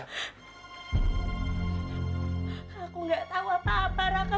aku gak tahu apa apa raka